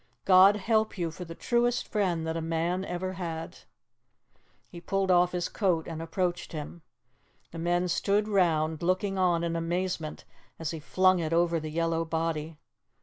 God help you for the truest friend that a man ever had!" He pulled off his coat and approached him. The men stood round, looking on in amazement as he flung it over the yellow body.